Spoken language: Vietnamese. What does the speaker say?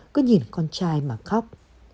cứ nhìn con trai mà khóc